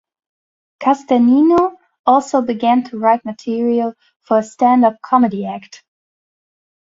Cesternino also began to write material for a stand-up comedy act.